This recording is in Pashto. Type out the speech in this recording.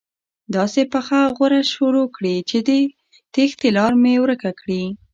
داسې پخه غوره شروع کړي چې د تېښتې لاره مې ورکه کړي.